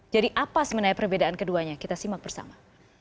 jadi apa sebenarnya perbedaan keduanya kita simak bersama